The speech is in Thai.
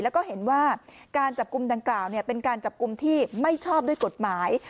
แล้วก็เห็นว่าการจับกลุ่มดังกล่าวเป็นการจับกลุ่มที่ไม่ชอบด้วยกฎหมาย